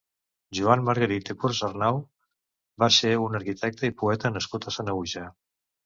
Joan Margarit i Consarnau va ser un arquitecte i poeta nascut a Sanaüja.